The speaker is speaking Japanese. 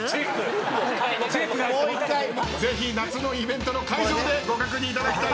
ぜひ夏のイベントの会場でご確認いただきたいと思います。